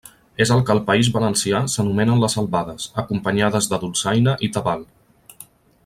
És el que al País Valencià s'anomenen les albades, acompanyades de dolçaina i tabal.